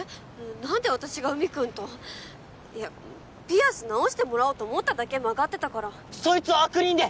なんで私が海くんといやピアス直してもらおうと思っただけ曲がってたからそいつは悪人で！